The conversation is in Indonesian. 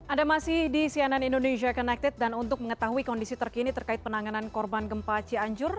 ada masih di cnn indonesia connected dan untuk mengetahui kondisi terkini terkait penanganan korban gempa cianjur